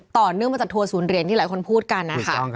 ต่อเนื่องมาจากทัวร์ศูนย์เหรียญที่หลายคนพูดกันนะคะ